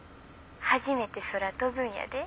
初めて空飛ぶんやで。